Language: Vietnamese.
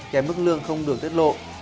kẻ mức lương không được tiết lộ